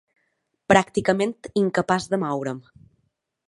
Pràcticament incapaç de moure'm